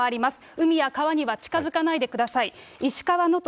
海や川には近づかないでください。